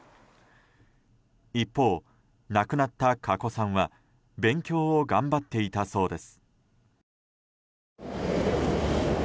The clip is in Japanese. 一方、亡くなった加古さんは勉強を頑張っていたそうです。